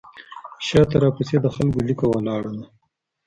شاته راپسې د خلکو لیکه ولاړه ده.